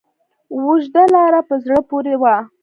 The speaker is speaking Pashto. اوږده لاره په زړه پورې وه.